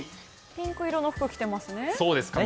ピンク色の服を着ていますね。